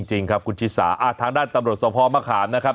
จริงครับคุณชิสาทางด้านตำรวจสภมะขามนะครับ